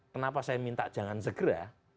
kenapa saya minta jangan segera